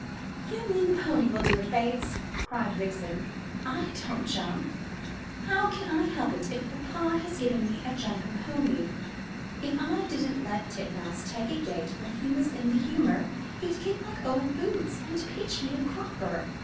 "You mean the pony will do it, Bates," cried Vixen. "I don't jump. How can I help it if papa has given me a jumping pony? If I didn't let Titmouse take a gate when he was in the humour, he'd kick like old boots, and pitch me a cropper.